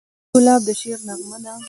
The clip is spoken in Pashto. ګلاب د شعر نغمه ده.